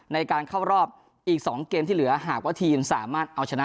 ในการเข้ารอบอีก๒เกมที่เหลือหากว่าทีมสามารถเอาชนะ